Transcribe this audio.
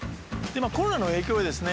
コロナの影響でですね